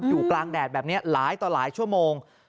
อยู่กลางแดดแบบนี้หลายต่อหลายชั่วโมง